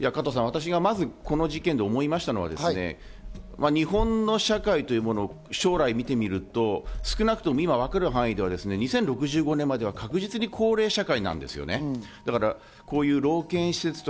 私がまずこの事件で思いましたのは、日本の社会というもの、将来を見てみると、少なくとも今わかる範囲で２０６５年までは確実に高齢社会。